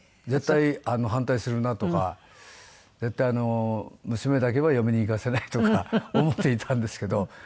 絶対反対するなとか絶対娘だけは嫁に行かせないとか思っていたんですけど。